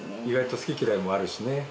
意外と好き嫌いもあるしね。